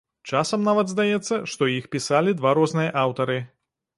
Часам нават здаецца, што іх пісалі два розныя аўтары.